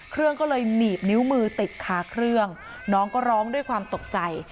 เครื่องก็เลยหนีบนิ้วมือติดคาเครื่องน้องก็ร้องด้วยความตกใจ